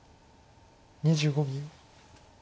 ２５秒。